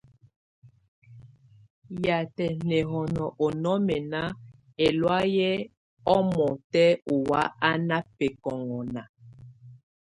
Yatɛ nɛhɔnɔ ɔ nɔmɛna, ɛlɔa yɛ ɔmɔtɛ ɔwa ana bɛkɔŋɔna.